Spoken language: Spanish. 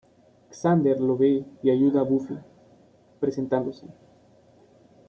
Xander lo ve y ayuda a Buffy, presentándose.